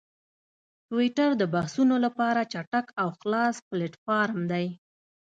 ټویټر د بحثونو لپاره چټک او خلاص پلیټفارم دی.